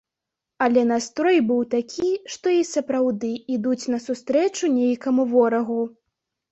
Але настрой быў такі, што і сапраўды ідуць насустрэчу нейкаму ворагу.